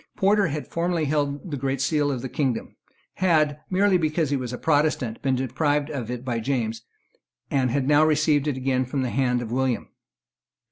Porter had formerly held the Great Seal of the kingdom, had, merely because he was a Protestant, been deprived of it by James, and had now received it again from the hand of William.